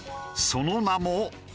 その名も。